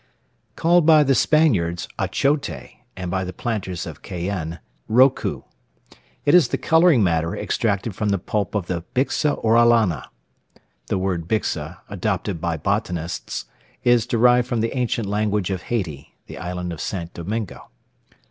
called by the Spaniards achote, and by the planters of Cayenne, rocou. It is the colouring matter extracted from the pulp of the Bixa orellana.* (* The word bixa, adopted by botanists, is derived from the ancient language of Haiti (the island of St. Domingo).